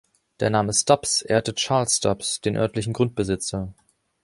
Der Name Stubbs ehrte Charles Stubbs, den örtlichen Grundbesitzer.